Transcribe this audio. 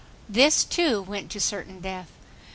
This, too, went to certain death.